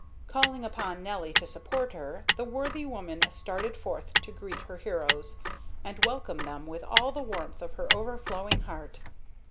Calling upon Nelly to support her, the worthy woman started forth to greet her heroes, and welcome them with all the warmth of her overflowing heart.